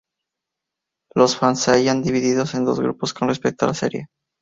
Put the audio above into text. Los fans se hallan divididos en dos grupos con respecto a la serie.